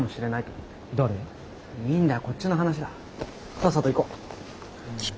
さっさと行こう。